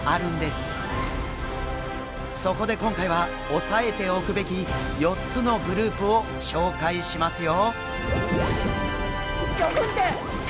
そこで今回は押さえておくべき４つのグループを紹介しますよ！